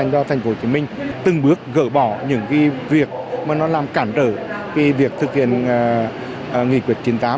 cho tp hcm từng bước gỡ bỏ những cái việc mà nó làm cản trở cái việc thực hiện nghị quyết chín mươi tám